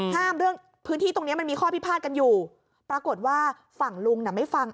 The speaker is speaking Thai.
เรื่องพื้นที่ตรงนี้มันมีข้อพิพาทกันอยู่ปรากฏว่าฝั่งลุงน่ะไม่ฟัง